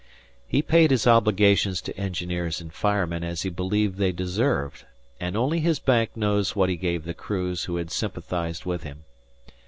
He paid his obligations to engineers and firemen as he believed they deserved, and only his bank knows what he gave the crews who had sympathized with him.